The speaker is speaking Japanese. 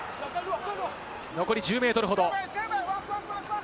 残り１０ｍほど。